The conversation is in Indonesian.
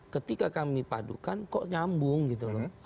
ketika kami padukan kok nyambung gitu loh